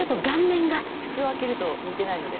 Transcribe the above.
口を開けると似てないので。